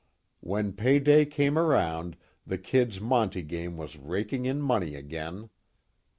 When pay day came around the "Kid's" monte game was raking in money again.